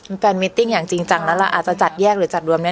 เป็นแฟนมิตติ้งอย่างจริงจังแล้วเราอาจจะจัดแยกหรือจัดรวมเนี่ย